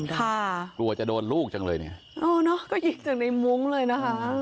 กลัวจะโดนลูกจังเลยเนี่ยอ๋อเนอะก็ยิงจากในมุ้งเลยนะคะ